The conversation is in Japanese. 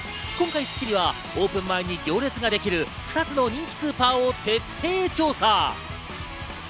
今回『スッキリ』はオープン前に行列ができる２つの人気スーパーを徹底調査。